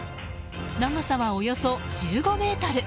長さは、およそ１５ｍ。